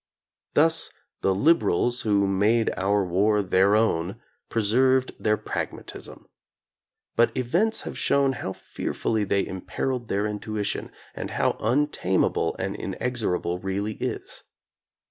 Thus the "liberals" who made our war their own preserved their pragmatism. But events have shown how fearfully they imperilled their intuition and how untameable an inexorable really is.